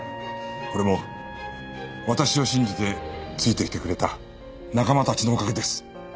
これも私を信じてついてきてくれた仲間たちのおかげです。